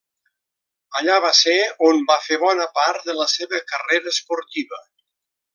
Allà va ser on va fer bona part de la seva carrera esportiva.